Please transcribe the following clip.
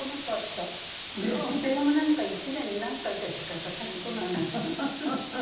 うち電話なんか１年に何回かしかかかってこないもん。